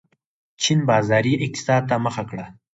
چین بازاري اقتصاد ته مخه کړه.